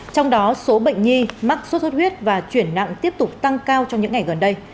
trong đó số bệnh nhi mắc sốt xuất huyết và chuyển nặng tiếp tục tăng cao trong những ngày gần đây